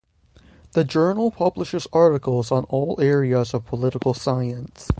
The journal publishes articles on all areas of political science.